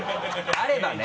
あればね。